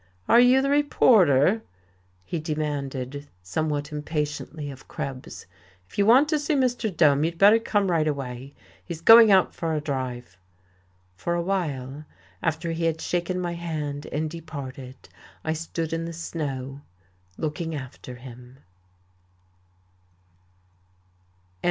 "Are you the reporter?" he demanded somewhat impatiently of Krebs. "If you want to see Mr. Dome, you'd better come right away. He's going out for a drive." For a while, after he had shaken my hand and departed, I stood in the snow, looking after him....